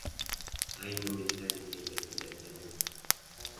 عين من هذه التي لا تنام